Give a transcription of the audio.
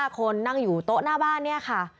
คนนั่งอยู่โต๊ะหน้าบ้านเนี่ยค่ะ